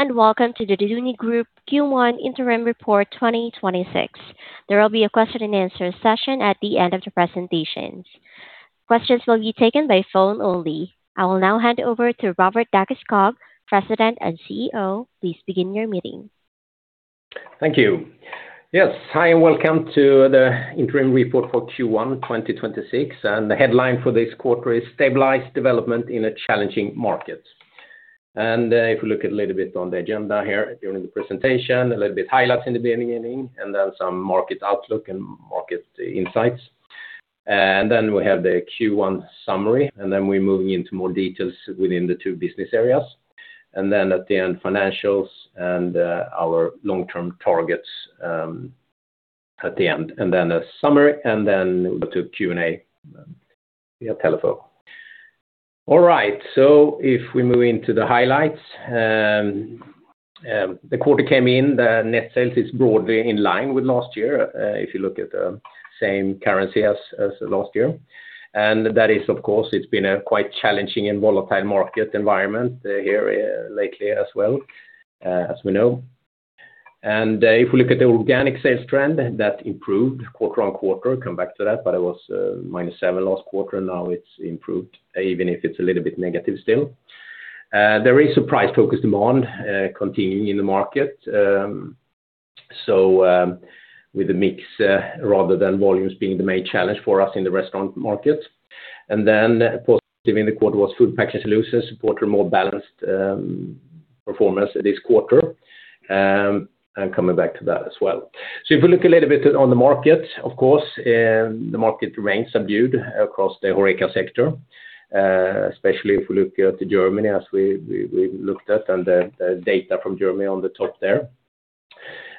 Hello, and welcome to the Duni Group Q1 interim report 2026. There will be a question and answer session at the end of the presentations. Questions will be taken by phone only. I will now hand over to Robert Dackeskog, President and CEO. Please begin your meeting. Thank you. Yes. Hi, and welcome to the interim report for Q1 2026. The headline for this quarter is Stabilized Development in a Challenging Market. If we look a little bit on the agenda here during the presentation, a little bit highlights in the beginning, and then some market outlook and market insights. We have the Q1 summary, and then we're moving into more details within the two business areas. At the end, financials and our long-term targets at the end. A summary, and then we'll go to Q&A via telephone. All right. If we move into the highlights. The quarter came in. The net sales is broadly in line with last year, if you look at the same currency as last year. That is, of course, it's been a quite challenging and volatile market environment here lately as well, as we know. If we look at the organic sales trend, that improved quarter-on-quarter, come back to that, but it was -7% last quarter, now it's improved, even if it's a little bit negative still. There is a price-focused demand continuing in the market, so with the mix rather than volumes being the main challenge for us in the restaurant market. Then positive in the quarter was Food Packaging Solutions support a more balanced performance this quarter, and coming back to that as well. If we look a little bit on the market, of course, the market remains subdued across the HORECA sector, especially if we look at Germany as we looked at and the data from Germany on the top there.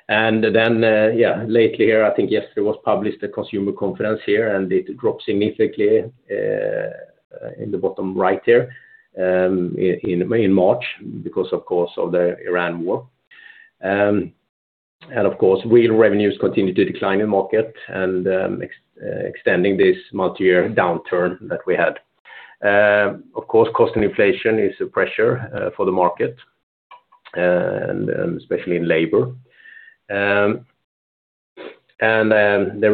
Lately here, I think yesterday was published the consumer confidence here, and it dropped significantly in the bottom right here in March because, of course, of the Ukraine war. Of course, real revenues continue to decline in market and extending this multiyear downturn that we had. Of course, cost and inflation is a pressure for the market, and especially in labor. There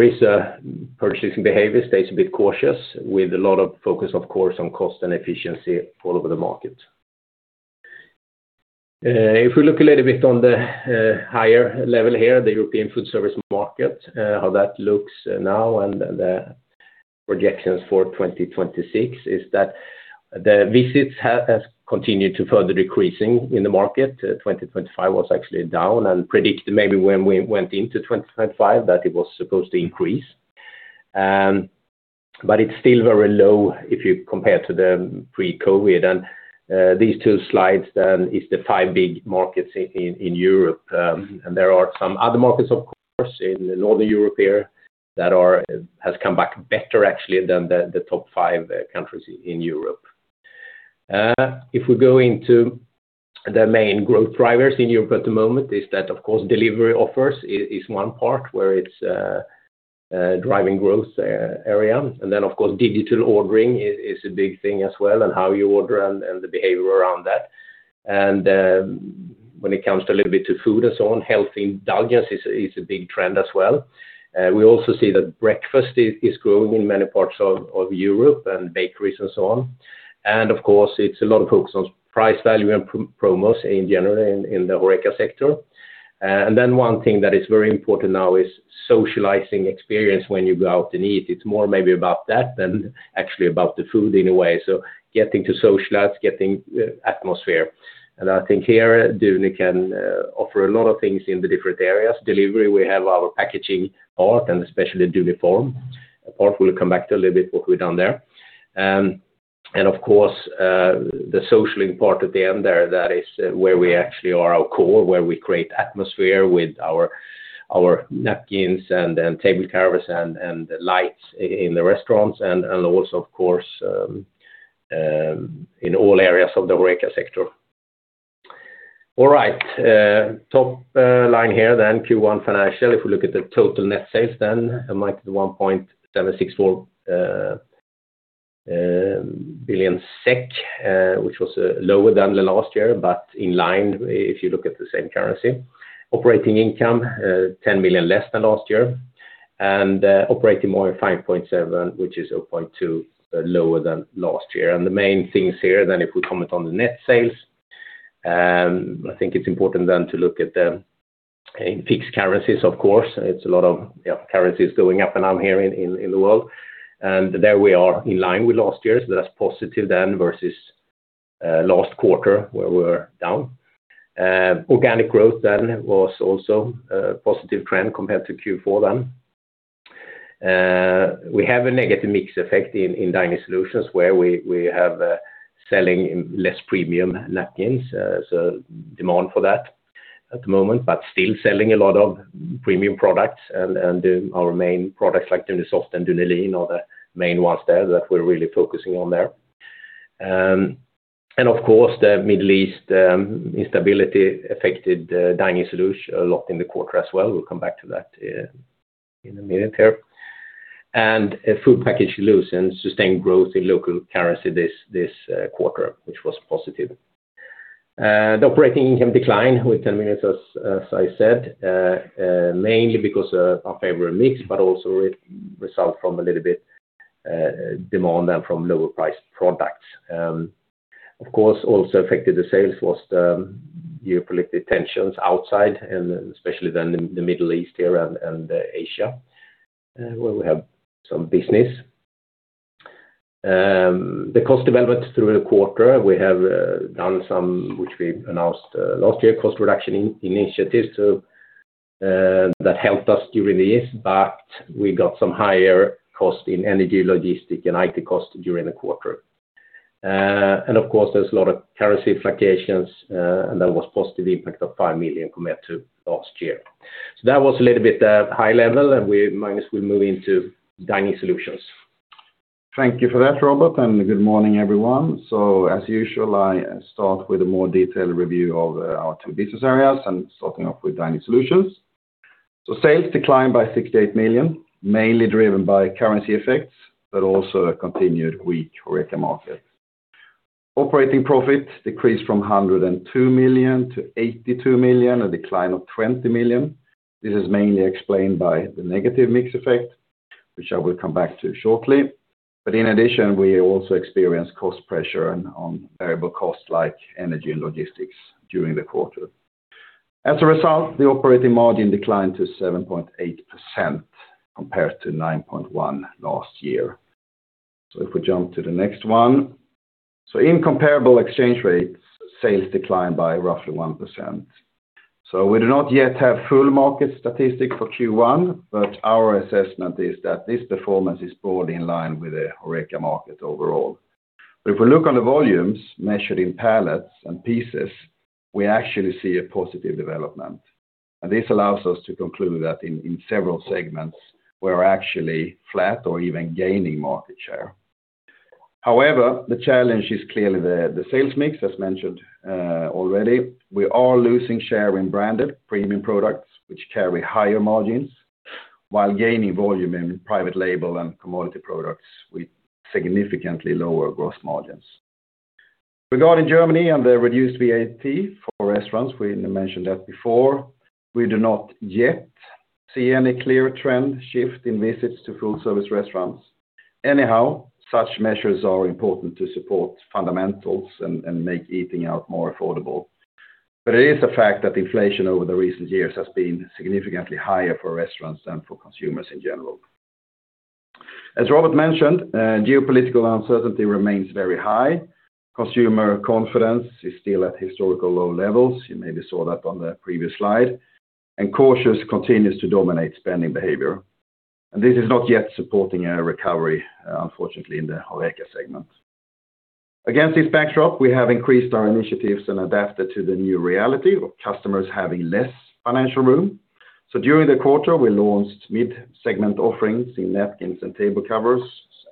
is a purchasing behavior, stays a bit cautious with a lot of focus, of course, on cost and efficiency all over the market. If we look a little bit on the higher level here, the European food service market, how that looks now and the projections for 2026 is that the visits has continued to further decreasing in the market. 2025 was actually down and predicted maybe when we went into 2025 that it was supposed to increase. It's still very low if you compare to the pre-COVID. These two slides then is the five big markets in Europe. There are some other markets, of course, in the northern Europe here that has come back better, actually, than the top five countries in Europe. If we go into the main growth drivers in Europe at the moment is that, of course, delivery offers is one part where it's driving growth area. Then of course, digital ordering is a big thing as well, and how you order and the behavior around that. When it comes to a little bit to food and so on, healthy indulgence is a big trend as well. We also see that breakfast is growing in many parts of Europe and bakeries and so on. Of course, it's a lot of focus on price value and promos in general in the HoReCa sector. One thing that is very important now is socializing experience when you go out and eat, it's more maybe about that than actually about the food in a way. Getting to socialize, getting atmosphere. I think here, Duni can offer a lot of things in the different areas. Delivery, we have our packaging part and especially Duniform part. We'll come back to a little bit what we've done there. Of course, the socializing part at the end there, that is where we actually are our core, where we create atmosphere with our napkins and table covers and the lights in the restaurants and also, of course, in all areas of the HoReCa sector. All right. Top line here then, Q1 financial. If we look at the total net sales then, -1.764 billion SEK, which was lower than the last year, but in line if you look at the same currency. Operating income, 10 million less than last year. Operating margin 5.7%, which is 0.2% lower than last year. The main things here then, if we comment on the net sales, I think it's important then to look at the fixed currencies, of course. It's a lot of currencies going up and down here in the world. There we are in line with last year, so that's positive then versus last quarter where we were down. Organic growth then was also a positive trend compared to Q4 then. We have a negative mix effect in Dining Solutions where we're selling less premium napkins, so less demand for that at the moment, but still selling a lot of premium products and our main products like Dunisoft and Dunilin are the main ones there that we're really focusing on there. Of course, the Middle East instability affected Dining Solutions a lot in the quarter as well. We'll come back to that in a minute here. Food Packaging Solutions had sustained growth in local currency this quarter, which was positive. The operating income declined by 10 million, as I said, mainly because of unfavorable mix, but also it resulted from a little bit lower demand and from lower priced products. Of course, also affected the sales was the geopolitical tensions outside and especially then the Middle East area and Asia, where we have some business. The cost development through the quarter, we have done some, which we announced last year, cost reduction initiatives that helped us during the year. We got some higher cost in energy, logistics, and IT cost during the quarter. Of course, there's a lot of currency fluctuations, and that was positive impact of 5 million compared to last year. That was a little bit high level, and Magnus will move into Dining Solutions. Thank you for that, Robert, and good morning, everyone. As usual, I start with a more detailed review of our two business areas and starting off with Dining Solutions. Sales declined by 68 million, mainly driven by currency effects, but also a continued weak HoReCa market. Operating profit decreased from 102 million to 82 million, a decline of 20 million. This is mainly explained by the negative mix effect, which I will come back to shortly. In addition, we also experienced cost pressure on variable costs like energy and logistics during the quarter. As a result, the operating margin declined to 7.8% compared to 9.1% last year. If we jump to the next one. In comparable exchange rates, sales declined by roughly 1%. We do not yet have full market statistics for Q1, but our assessment is that this performance is broadly in line with the HoReCa market overall. If we look on the volumes measured in pallets and pieces, we actually see a positive development. This allows us to conclude that in several segments, we're actually flat or even gaining market share. However, the challenge is clearly the sales mix, as mentioned already. We are losing share in branded premium products, which carry higher margins, while gaining volume in private label and commodity products with significantly lower gross margins. Regarding Germany and the reduced VAT for restaurants, we mentioned that before. We do not yet see any clear trend shift in visits to food service restaurants. Anyhow, such measures are important to support fundamentals and make eating out more affordable. It is a fact that inflation over the recent years has been significantly higher for restaurants than for consumers in general. As Robert mentioned, geopolitical uncertainty remains very high. Consumer confidence is still at historically low levels. You may have seen that on the previous slide. Caution continues to dominate spending behavior. This is not yet supporting a recovery, unfortunately, in the HoReCa segment. Against this backdrop, we have increased our initiatives and adapted to the new reality of customers having less financial room. During the quarter, we launched mid-segment offerings in napkins and table covers,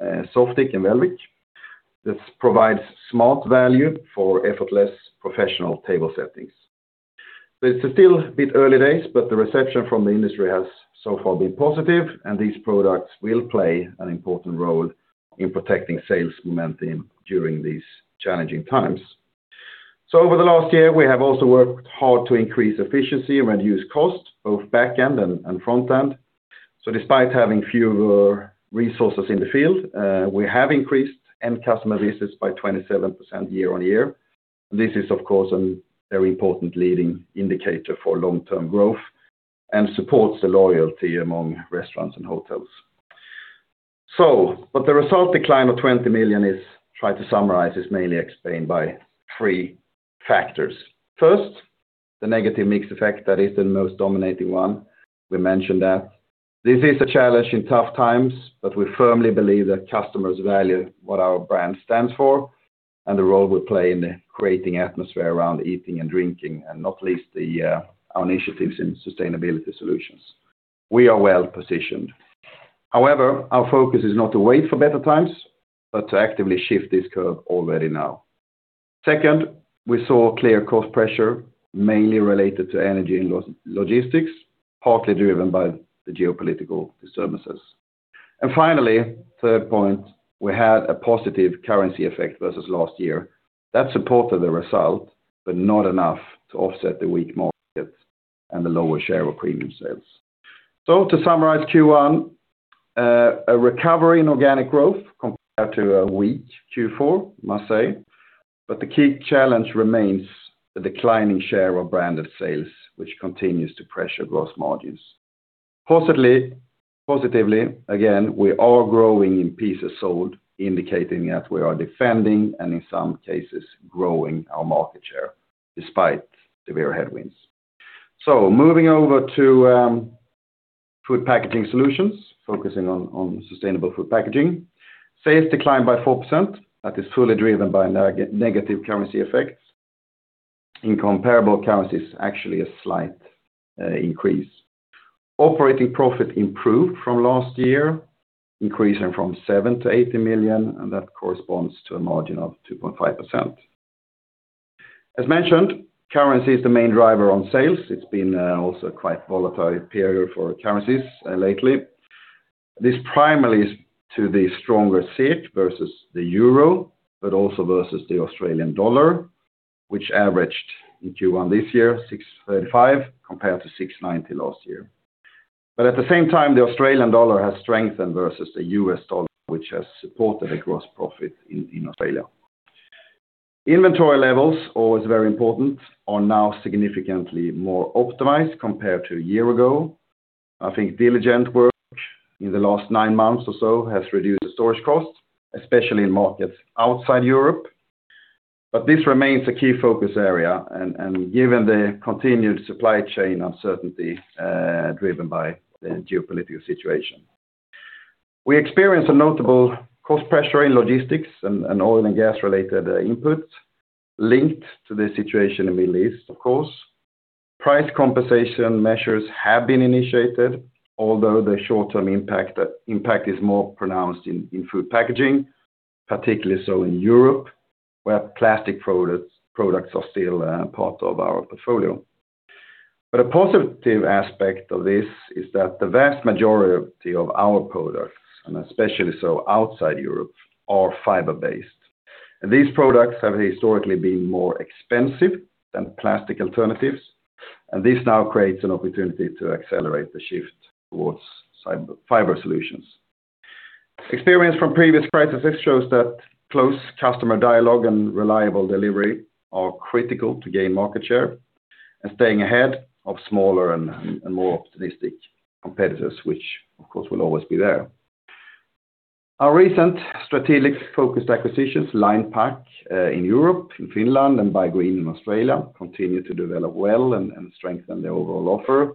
Softiq and Velviq. This provides smart value for effortless professional table settings. It's still a bit early days, but the reception from the industry has so far been positive and these products will play an important role in protecting sales momentum during these challenging times. Over the last year, we have also worked hard to increase efficiency and reduce costs, both back-end and front-end. Despite having fewer resources in the field, we have increased end customer visits by 27% year-on-year. This is, of course, a very important leading indicator for long-term growth and supports the loyalty among restaurants and hotels. The result decline of 20 million is mainly explained by three factors. First, the negative mix effect that is the most dominating one. We mentioned that. This is a challenge in tough times, but we firmly believe that customers value what our brand stands for and the role we play in creating atmosphere around eating and drinking, and not least our initiatives in sustainability solutions. We are well positioned. However, our focus is not to wait for better times, but to actively shift this curve already now. Second, we saw clear cost pressure, mainly related to energy and logistics, partly driven by the geopolitical disturbances. Finally, third point, we had a positive currency effect versus last year. That supported the result, but not enough to offset the weak market and the lower share of premium sales. To summarize Q1, a recovery in organic growth compared to a weak Q4, I must say. The key challenge remains the declining share of branded sales, which continues to pressure gross margins. Positively, again, we are growing in pieces sold, indicating that we are defending and in some cases growing our market share despite the severe headwinds. Moving over to Food Packaging Solutions, focusing on sustainable food packaging. Sales declined by 4%. That is fully driven by negative currency effects. In comparable currencies, actually a slight increase. Operating profit improved from last year, increasing from 7 million-8 million, and that corresponds to a margin of 2.5%. As mentioned, currency is the main driver on sales. It's been also quite a volatile period for currencies lately. This primarily is to the stronger SEK versus the euro, but also versus the Australian dollar, which averaged in Q1 this year 635, compared to 690 last year. But at the same time, the Australian dollar has strengthened versus the US dollar, which has supported the gross profit in Australia. Inventory levels, always very important, are now significantly more optimized compared to a year ago. I think diligent work in the last nine months or so has reduced the storage costs, especially in markets outside Europe. This remains a key focus area given the continued supply chain uncertainty driven by the geopolitical situation. We experienced a notable cost pressure in logistics and oil and gas-related inputs linked to the situation in the Middle East, of course. Price compensation measures have been initiated, although the short-term impact is more pronounced in food packaging, particularly so in Europe, where plastic products are still part of our portfolio. A positive aspect of this is that the vast majority of our products, and especially so outside Europe, are fiber-based. These products have historically been more expensive than plastic alternatives, and this now creates an opportunity to accelerate the shift towards fiber solutions. Experience from previous crisis shows that close customer dialogue and reliable delivery are critical to gain market share, and staying ahead of smaller and more opportunistic competitors, which, of course, will always be there. Our recent strategic focused acquisitions, Linepack in Europe, in Finland, and BioPak in Australia, continue to develop well and strengthen the overall offer.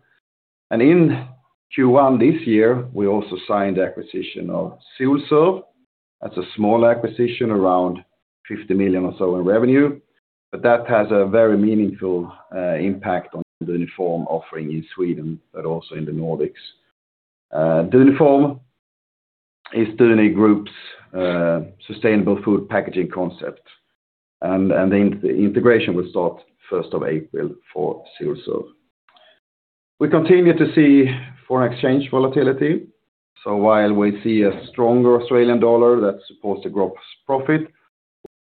In Q1 this year, we also signed the acquisition of Solserv. That's a small acquisition, around 50 million or so in revenue, but that has a very meaningful impact on the Duniform offering in Sweden, but also in the Nordics. Duniform is Duni Group's sustainable food packaging concept, and the integration will start April 1st for Solserv. We continue to see foreign exchange volatility. While we see a stronger Australian dollar that supports the gross profit,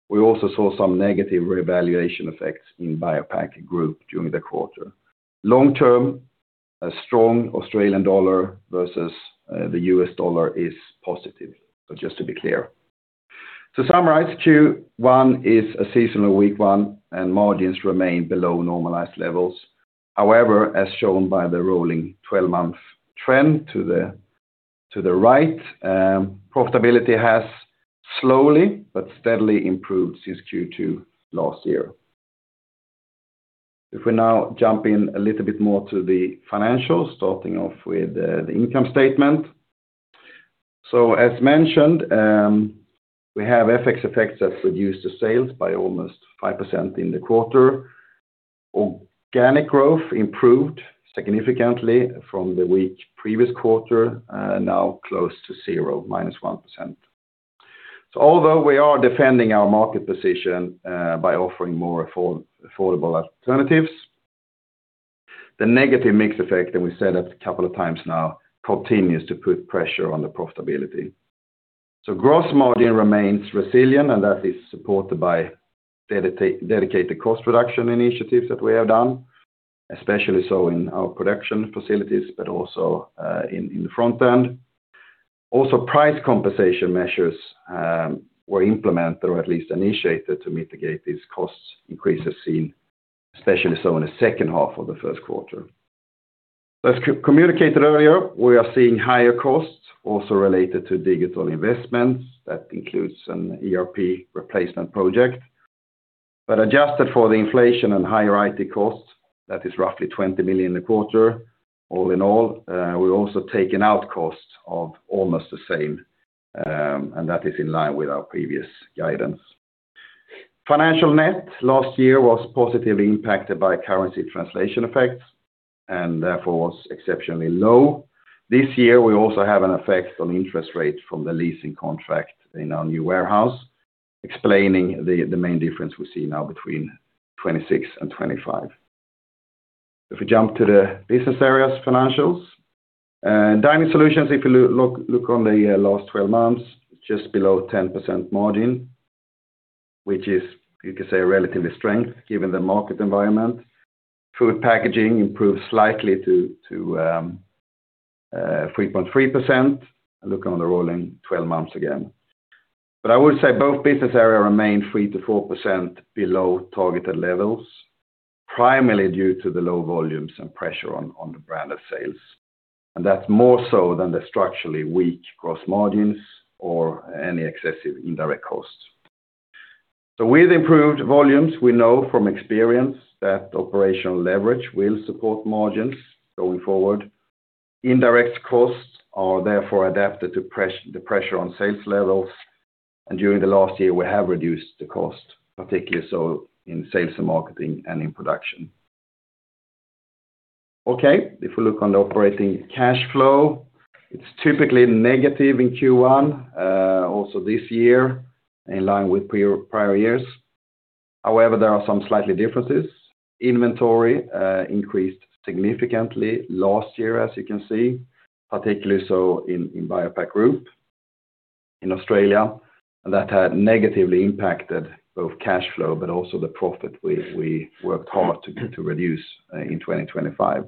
we also saw some negative revaluation effects in BioPak Group during the quarter. Long term, a strong Australian dollar versus the US dollar is positive, just to be clear. To summarize, Q1 is a seasonally weak one, and margins remain below normalized levels. However, as shown by the rolling 12-month trend to the right, profitability has slowly but steadily improved since Q2 last year. If we now jump in a little bit more to the financials, starting off with the income statement. As mentioned, we have FX effects that reduced the sales by almost 5% in the quarter. Organic growth improved significantly from the weak previous quarter, now close to zero, -1%. Although we are defending our market position by offering more affordable alternatives, the negative mix effect, and we said it a couple of times now, continues to put pressure on the profitability. Gross margin remains resilient, and that is supported by dedicated cost reduction initiatives that we have done, especially so in our production facilities, but also in the front end. Price compensation measures were implemented, or at least initiated, to mitigate these cost increases seen, especially so in the second half of the first quarter. As communicated earlier, we are seeing higher costs also related to digital investments. That includes an ERP replacement project. Adjusted for the inflation and higher IT costs, that is roughly 20 million a quarter, all in all, we've also taken out costs of almost the same, and that is in line with our previous guidance. Financial net last year was positively impacted by currency translation effects, and therefore was exceptionally low. This year, we also have an effect on interest rates from the leasing contract in our new warehouse, explaining the main difference we see now between 2026 and 2025. If we jump to the business areas financials. Dining Solutions, if you look on the last 12 months, just below 10% margin, which is, you could say, relatively strength given the market environment. Food Packaging improved slightly to 3.3%, looking on the rolling 12 months again. I would say both business areas remain 3%-4% below targeted levels, primarily due to the low volumes and pressure on the branded sales. That's more so than the structurally weak gross margins or any excessive indirect costs. With improved volumes, we know from experience that operational leverage will support margins going forward. Indirect costs are therefore adapted to the pressure on sales levels, and during the last year, we have reduced the cost, particularly so in sales and marketing and in production. Okay. If we look on the operating cash flow, it's typically negative in Q1, also this year, in line with prior years. However, there are some slight differences. Inventory increased significantly last year, as you can see, particularly so in BioPak Group in Australia. That had negatively impacted both cash flow but also the profit we worked hard to reduce in 2025.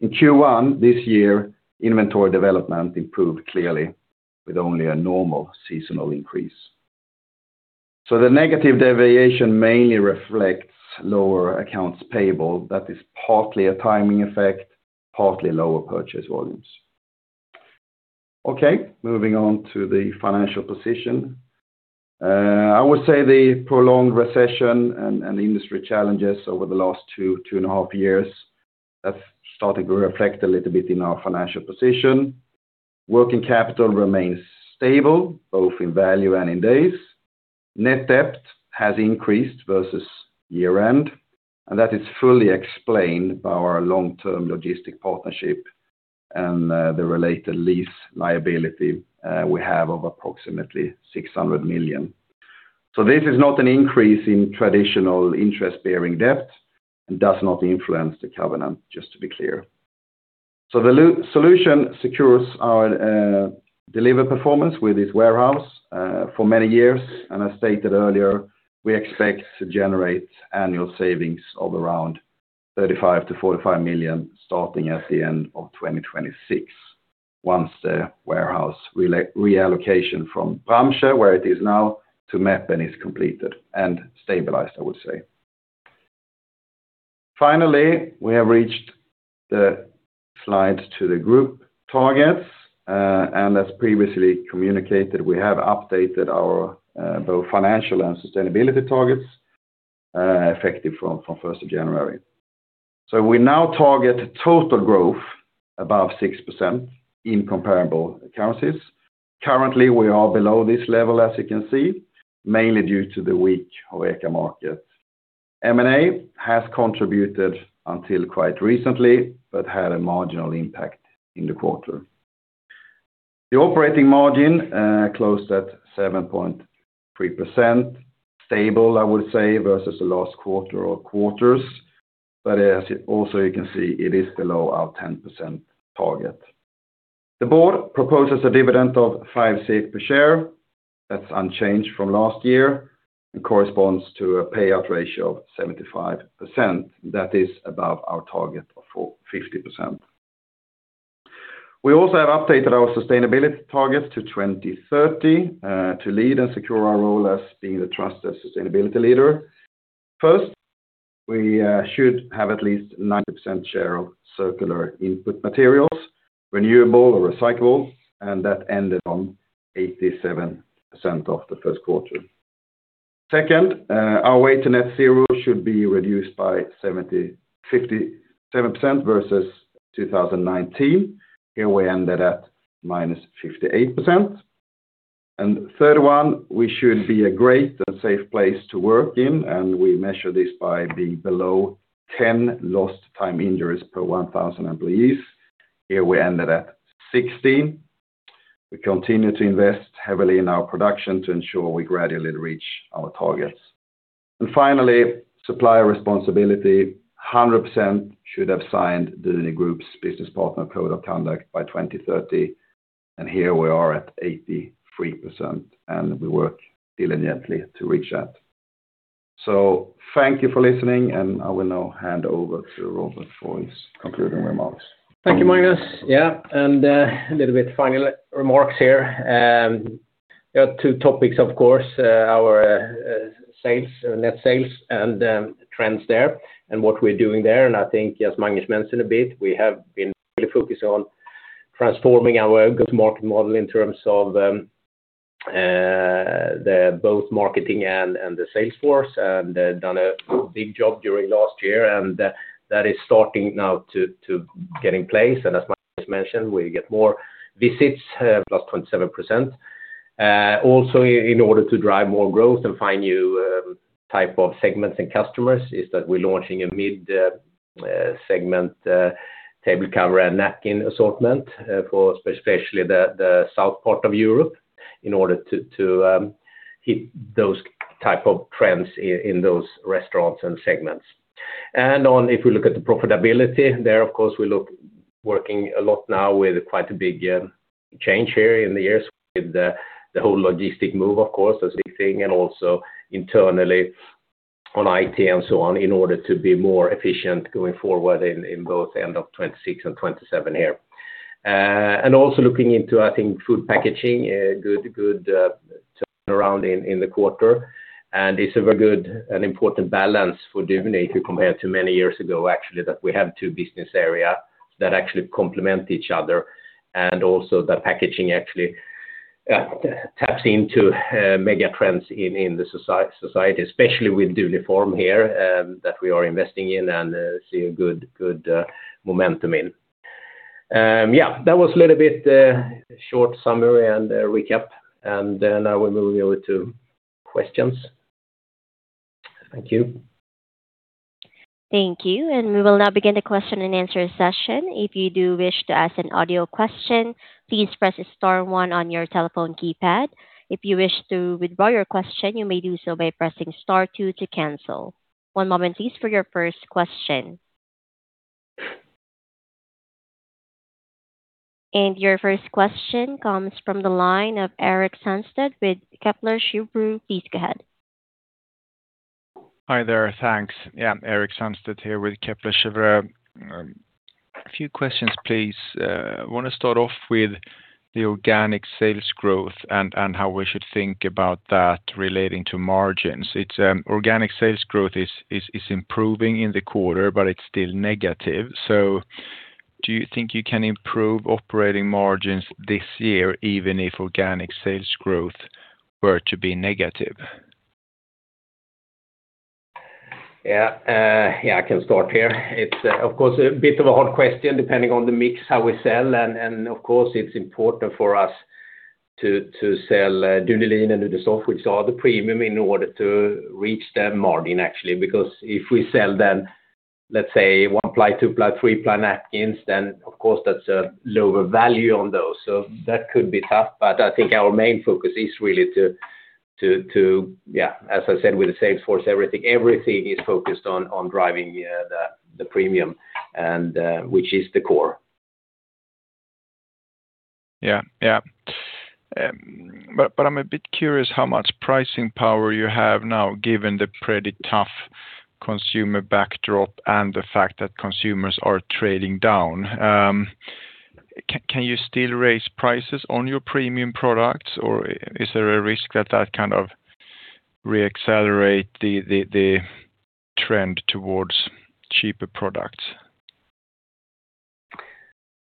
In Q1 this year, inventory development improved clearly with only a normal seasonal increase. The negative deviation mainly reflects lower accounts payable. That is partly a timing effect, partly lower purchase volumes. Okay, moving on to the financial position. I would say the prolonged recession and the industry challenges over the last two and a half years have started to reflect a little bit in our financial position. Working capital remains stable, both in value and in days. Net debt has increased versus year-end, and that is fully explained by our long-term logistic partnership and the related lease liability we have of approximately 600 million. This is not an increase in traditional interest-bearing debt and does not influence the covenant, just to be clear. The solution secures our deliver performance with this warehouse for many years, and as stated earlier, we expect to generate annual savings of around 35 million-45 million starting at the end of 2026 once the warehouse reallocation from Bramsche, where it is now, to Meppen is completed and stabilized, I would say. Finally, we have reached the slide to the group targets, and as previously communicated, we have updated both our financial and sustainability targets effective from first of January. We now target total growth above 6% in comparable currencies. Currently, we are below this level, as you can see, mainly due to the weak HoReCa market. M&A has contributed until quite recently but had a marginal impact in the quarter. The operating margin closed at 7.3%, stable, I would say, versus the last quarter or quarters. As you can see, it is below our 10% target. The board proposes a dividend of 5 per share. That's unchanged from last year and corresponds to a payout ratio of 75%. That is above our target of 50%. We also have updated our sustainability targets to 2030 to lead and secure our role as being the trusted sustainability leader. First, we should have at least 90% share of circular input materials, renewable or recyclable, and that ended at 87% in the first quarter. Second, our way to net zero should be reduced by 57% versus 2019. Here we ended at -58%. Third one, we should be a great and safe place to work in, and we measure this by being below 10 lost time injuries per 1,000 employees. Here we ended at 16. We continue to invest heavily in our production to ensure we gradually reach our targets. Finally, supplier responsibility, 100% should have signed the Duni Group's Business Partner Code of Conduct by 2030. Here we are at 83%, and we work diligently to reach that. Thank you for listening, and I will now hand over to Robert for his concluding remarks. Thank you, Magnus. A little bit of final remarks here. There are two topics, of course, our net sales and the trends there and what we're doing there. I think as Magnus mentioned a bit, we have been really focused on transforming our go-to-market model in terms of both marketing and the sales force, and done a big job during last year, and that is starting now to get in place. As Magnus mentioned, we get more visits, plus 27%. Also in order to drive more growth and find new type of segments and customers is that we're launching a mid-segment table cover and napkin assortment, for especially the south part of Europe in order to hit those type of trends in those restaurants and segments. If we look at the profitability, there, of course, we look working a lot now with quite a big change here in the years with the whole logistic move, of course, as we think, and also internally on IT and so on, in order to be more efficient going forward in both end of 2026 and 2027 here. Also looking into, I think, food packaging, a good turnaround in the quarter. It's a very good and important balance for Duni if you compare to many years ago, actually, that we have two business areas that actually complement each other. Also the packaging actually taps into mega trends in the society, especially with Duniform here, that we are investing in and see a good momentum in. That was a little bit short summary and recap, and now we're moving over to questions. Thank you. Thank you. We will now begin the question and answer session. If you do wish to ask an audio question, please press star one on your telephone keypad. If you wish to withdraw your question, you may do so by pressing star two to cancel. One moment please for your first question. Your first question comes from the line of Erik Sandstedt with Kepler Cheuvreux. Please go ahead. Hi there. Thanks. Yeah. Erik Sandstedt here with Kepler Cheuvreux. A few questions, please. I want to start off with the organic sales growth and how we should think about that relating to margins. Organic sales growth is improving in the quarter, but it's still negative. Do you think you can improve operating margins this year even if organic sales growth were to be negative? Yeah. I can start here. It's of course, a bit of a hard question, depending on the mix, how we sell. Of course, it's important for us to sell Dunilin and Dunisoft, which are the premium in order to reach that margin actually, because if we sell them, let's say one ply, two ply, three ply napkins, then of course that's a lower value on those, so that could be tough. I think our main focus is really to, as I said, with the sales force, everything is focused on driving the premium and which is the core. Yeah. I'm a bit curious how much pricing power you have now, given the pretty tough consumer backdrop and the fact that consumers are trading down. Can you still raise prices on your premium products, or is there a risk that kind of re-accelerate the trend towards cheaper products?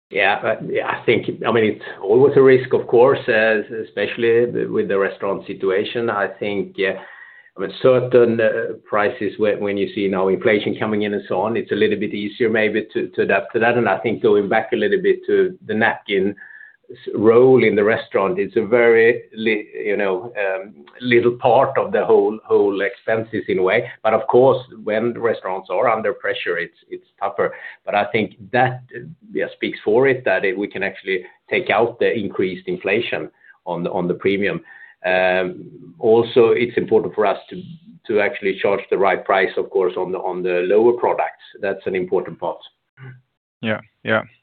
Yeah, I think it's always a risk, of course, especially with the restaurant situation. I think certain prices when you see now inflation coming in and so on, it's a little bit easier maybe to adapt to that. I think going back a little bit to the napkin role in the restaurant, it's a very little part of the whole expenses in a way. Of course, when restaurants are under pressure, it's tougher. I think that speaks for it, that we can actually take out the increased inflation on the premium. Also, it's important for us to actually charge the right price, of course, on the lower products. That's an important part. Yeah.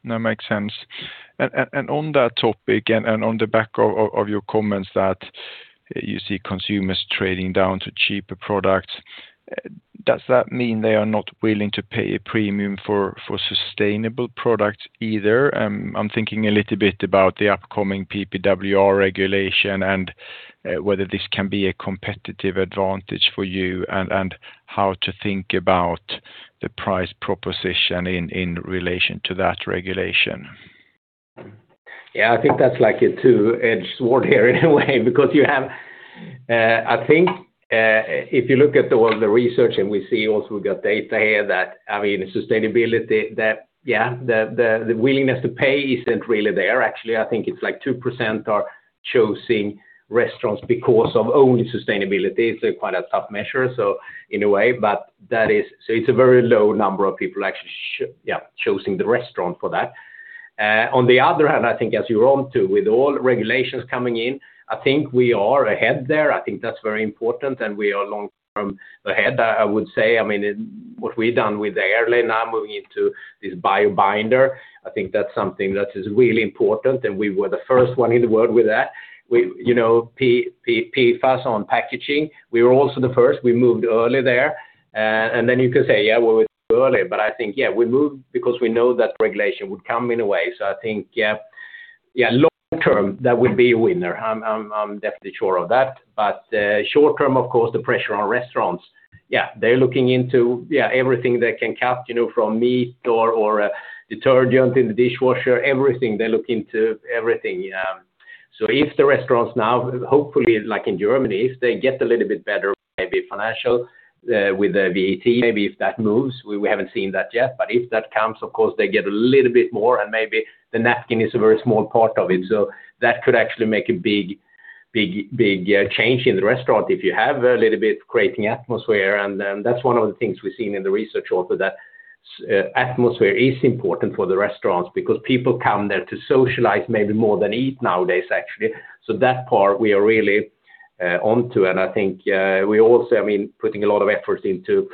That makes sense. On that topic, and on the back of your comments that you see consumers trading down to cheaper products, does that mean they are not willing to pay a premium for sustainable products either? I'm thinking a little bit about the upcoming PPWR regulation and whether this can be a competitive advantage for you and how to think about the price proposition in relation to that regulation. Yeah, I think that's like a two-edged sword here in a way, because you have, I think, if you look at all the research and we see also we've got data here that sustainability, the willingness to pay isn't really there. Actually, I think it's like 2% are choosing restaurants because of only sustainability. It's quite a tough measure, so in a way, but it's a very low number of people actually choosing the restaurant for that. On the other hand, I think as you're on to, with all regulations coming in, I think we are ahead there. I think that's very important and we are long from ahead. I would say, what we've done with the Airlaid now moving into this bio binder, I think that's something that is really important, and we were the first one in the world with that. PFAS on packaging, we were also the first. We moved early there. Then you can say, "Yeah, well, it's early," but I think, yeah, we moved because we know that regulation would come in a way. I think, yeah, long term, that would be a winner. I'm definitely sure of that. Short term, of course, the pressure on restaurants. They're looking into everything they can cut, from meat or detergent in the dishwasher, everything. They look into everything. If the restaurants now, hopefully, like in Germany, if they get a little bit better, maybe financial, with the VAT, maybe if that moves, we haven't seen that yet, but if that comes, of course, they get a little bit more and maybe the napkin is a very small part of it. That could actually make a big change in the restaurant if you have a little bit creating atmosphere. That's one of the things we've seen in the research also, that atmosphere is important for the restaurants because people come there to socialize maybe more than eat nowadays, actually. That part we are really onto, and I think we also, putting a lot of effort into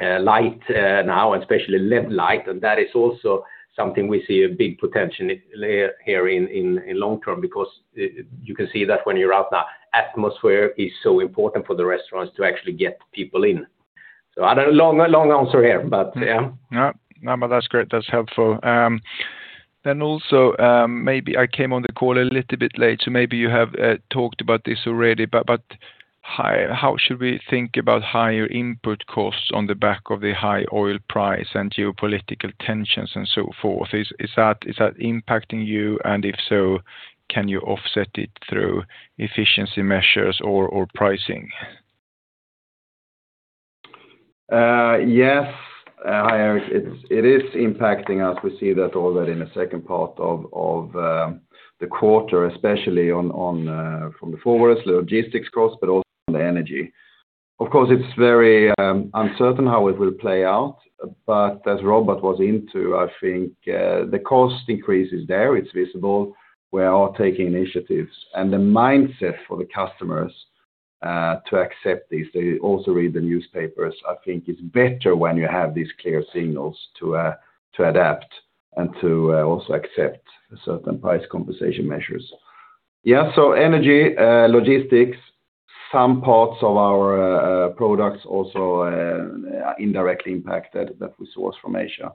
light now, and especially LED light, and that is also something we see a big potential here in long term because you can see that when you're out. The atmosphere is so important for the restaurants to actually get people in. A long answer here, but yeah. No, but that's great. That's helpful. Also, maybe I came on the call a little bit late, so maybe you have talked about this already, but how should we think about higher input costs on the back of the high oil price and geopolitical tensions and so forth? Is that impacting you? And if so, can you offset it through efficiency measures or pricing? Yes. Hi, Erik. It is impacting us. We see that already in the second part of the quarter, especially from the forward logistics cost, but also on the energy. Of course, it's very uncertain how it will play out, but as Robert went into, I think the cost increase is there, it's visible. We are all taking initiatives. The mindset for the customers to accept this, they also read the newspapers. I think it's better when you have these clear signals to adapt and to also accept certain price compensation measures. Yeah. Energy, logistics, some parts of our products also are indirectly impacted that we source from Asia.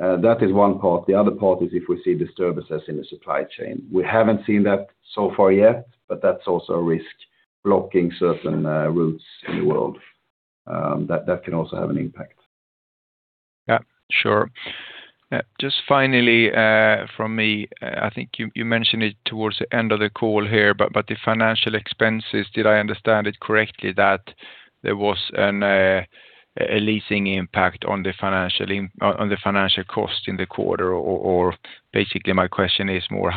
That is one part. The other part is if we see disturbances in the supply chain. We haven't seen that so far yet, but that's also a risk, blocking certain routes in the world. That can also have an impact. Yeah, sure. Just finally, from me, I think you mentioned it towards the end of the call here, but the financial expenses, did I understand it correctly that there was a leasing impact on the financial cost in the quarter? Or basically my question is more,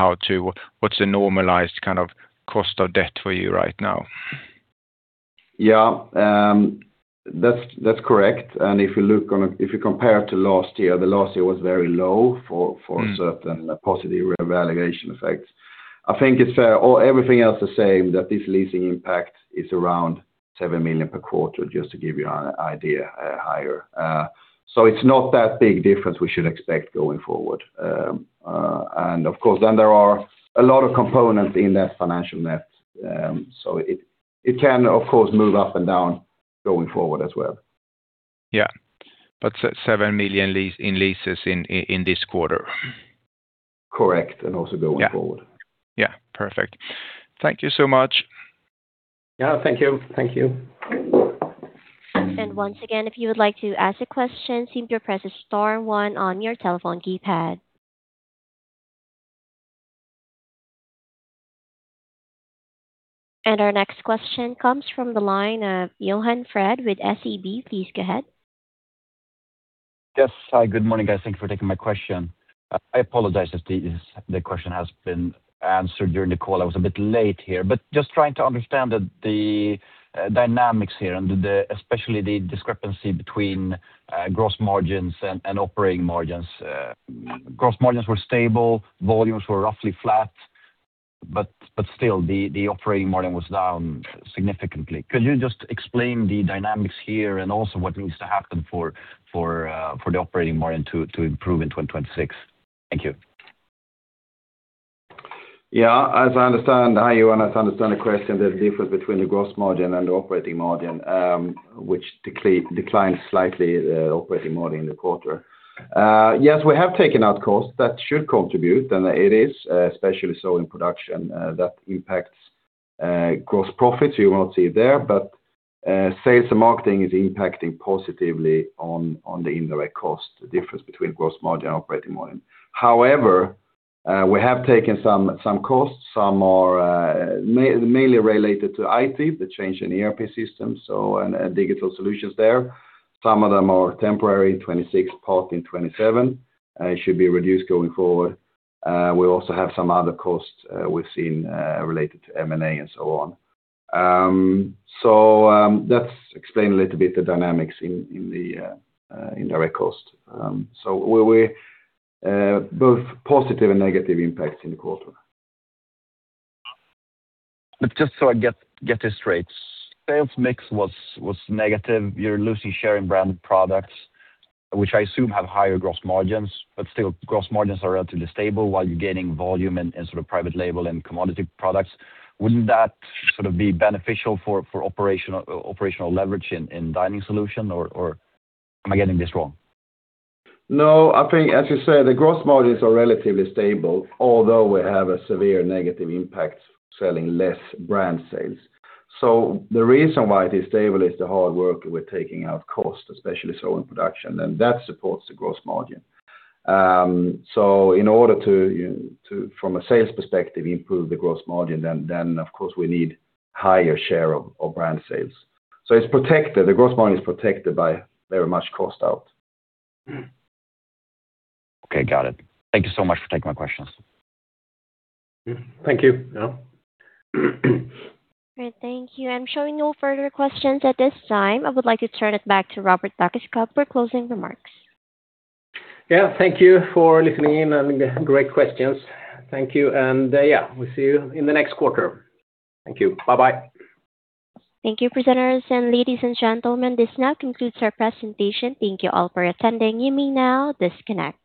what's the normalized cost of debt for you right now? Yeah. That's correct. If you compare to last year, the last year was very low for certain positive revaluation effects. I think it's fair, everything else the same, that this leasing impact is around 7 million per quarter, just to give you an idea higher. It's not that big difference we should expect going forward. Of course, then there are a lot of components in that financial net. It can, of course, move up and down going forward as well. Yeah. 7 million in leases in this quarter? Correct, and also going forward. Yeah. Perfect. Thank you so much. Yeah, thank you. Thank you. Once again, if you would like to ask a question, simply press star one on your telephone keypad. Our next question comes from the line of Johan Fred with SEB. Please go ahead. Yes. Hi, good morning, guys. Thank you for taking my question. I apologize if the question has been answered during the call. I was a bit late here. Just trying to understand the dynamics here and especially the discrepancy between gross margins and operating margins. Gross margins were stable, volumes were roughly flat, but still, the operating margin was down significantly. Could you just explain the dynamics here and also what needs to happen for the operating margin to improve in 2026? Thank you. Yeah. As I understand, Johan, the question, the difference between the gross margin and the operating margin, which declined slightly, the operating margin in the quarter. We have taken out costs that should contribute, and it is, especially so in production, that impacts gross profits you won't see there. Sales and marketing is impacting positively on the indirect cost, the difference between gross margin and operating margin. However, we have taken some costs. Some are mainly related to IT, the change in ERP systems, so digital solutions there. Some of them are temporary, 2026, part in 2027, should be reduced going forward. We also have some other costs we've seen related to M&A and so on. That explain a little bit the dynamics in the indirect cost. Both positive and negative impacts in the quarter. Just so I get this straight. Sales mix was negative. You're losing share in brand products, which I assume have higher gross margins, but still gross margins are relatively stable while you're gaining volume in private label and commodity products. Wouldn't that be beneficial for operational leverage in Dining Solutions or am I getting this wrong? No. I think as you say, the gross margins are relatively stable, although we have a severe negative impact selling less brand sales. The reason why it is stable is the hard work, we're taking out cost, especially so in production, and that supports the gross margin. In order to, from a sales perspective, improve the gross margin, then of course we need higher share of brand sales. The gross margin is protected by very much cost out. Okay, got it. Thank you so much for taking my questions. Thank you. All right. Thank you. I'm showing no further questions at this time. I would like to turn it back to Robert Dackeskog for closing remarks. Yeah. Thank you for listening in and great questions. Thank you. Yeah, we'll see you in the next quarter. Thank you. Bye-bye. Thank you, presenters, and ladies and gentlemen, this now concludes our presentation. Thank you all for attending. You may now disconnect.